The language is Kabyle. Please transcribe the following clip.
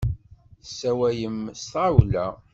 Tessawalem s tɣawla.